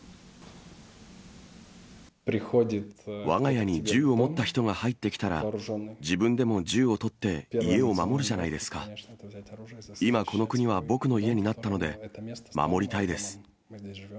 わが家に銃を持った人が入ってきたら、自分でも銃を取って家を守るじゃないですか、今、この国は僕の家になったので、守りたいです。